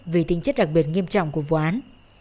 vì tính chất đặc biệt nghiêm trọng của vụ án